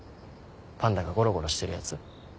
パンダがゴロゴロしてるやつ。